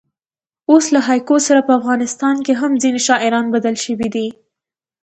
اوس له هایکو سره په افغانستان کښي هم ځیني شاعران بلد سوي دي.